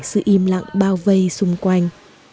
sự im lặng bao vây xung quanh